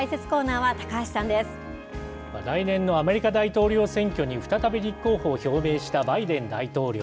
来年のアメリカ大統領選挙に、再び立候補を表明したバイデン大統領。